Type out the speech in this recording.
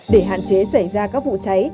để hạn chế xảy ra các vụ cháy